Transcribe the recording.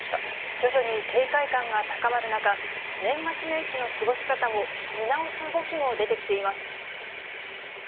徐々に警戒感が高まる中、年末年始の過ごし方を見直す動きも出てきています。